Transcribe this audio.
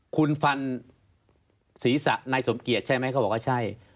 คุณฟันศีรษะนายสมเกียจใช่ไหมเขาบอกว่าใช่